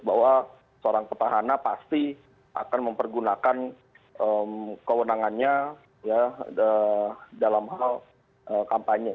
bahwa seorang petahana pasti akan mempergunakan kewenangannya dalam hal kampanye